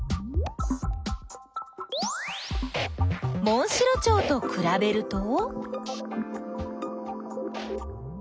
モンシロチョウとくらべると？